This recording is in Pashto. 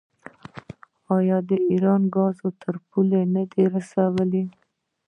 آیا ایران ګاز تر پولې نه دی رسولی؟